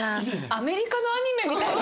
アメリカのアニメみたいな。